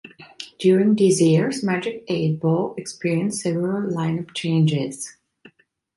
During these years Magic Eight Ball experienced several lineup changes.